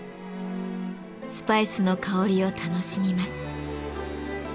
スパイスの香りを楽しみます。